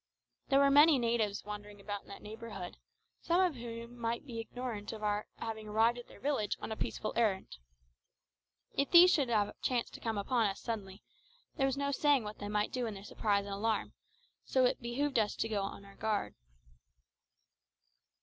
There were many natives wandering about in that neighbourhood, some of whom might be ignorant of our having arrived at their village on a peaceful errand. If these should have chanced to come upon us suddenly, there was no saying what they might do in their surprise and alarm, so it behoved us to be on our guard.